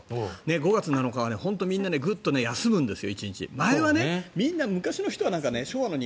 ５月７日はみんな、グッと休むんですよ